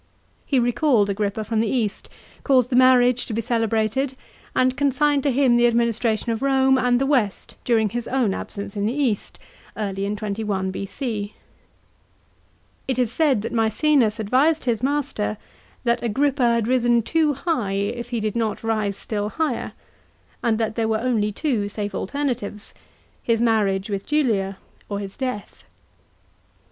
He recalled Agrippa from the east, caused the marriage to be celebrated, and consigned to him the administration of Borne and the west during his own absence in the east (early in 21 B.C.). It is said that Maecenas advised his master that Agrippa had risen too high, if he did not rise still higher, and that there were only two safe alternatives, his marriage with Julia, or his death.